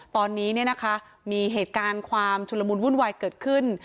ตอนนี้มีเหตุการณ์ความชุลมุนวุ่นวายเกิดขึ้น